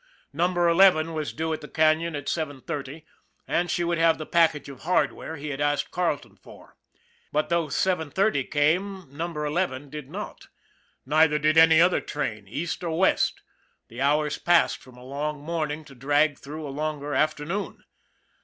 Number Eleven was due at the Canon at seven thirty, and she would have the package of " hardware " he had asked Carleton for. But though seven thirty came, Number Eleven did not neither did any other train, east or west. The hours passed from a long morning to drag through a longer afternoon.